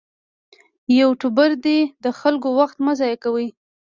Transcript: یوټوبر دې د خلکو وخت مه ضایع کوي.